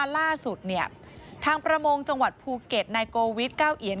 ว่าล่าสุดเนี่ยทางประมงจังหวัดภูเก็ตในโกวิดเก้าเหยียน